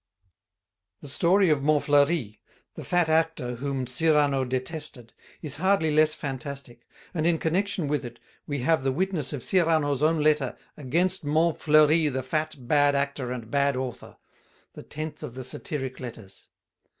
The story of Montfleury, the fat actor whom Cyrano detested, is hardly less fantastic; and in connection with it we have the witness of Cyrano's own letter "Against Montfleury the Fat, bad Actor and bad Author," the tenth of the Satiric Letters.